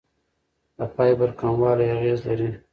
د فایبر کموالی اغېز لري.